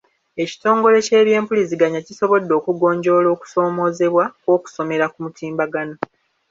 Ekitongole ky'ebyempuliziganya kisobodde okugonjoola okusoomoozebwa kw'okusomera ku mutimbagano